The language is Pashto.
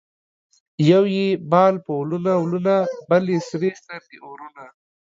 یو یې بال په ولونه ولونه ـ بل یې سرې سترګې اورونه